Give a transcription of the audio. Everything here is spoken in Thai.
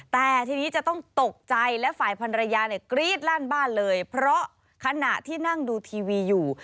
แต่ทีนี้จะต้องตกใจและฝ่ายพันรยาเนี่ยกรี๊ดลั่นบ้านเลยเพราะขณะที่นั่งดูทีวีอยู่